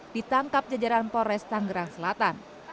ditangkap jajaran polres tanggerang selatan